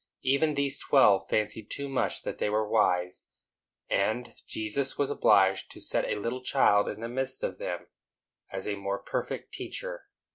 Even these twelve fancied too much that they were wise, and Jesus was obliged to set a little child in the midst of them, as a more perfect teacher.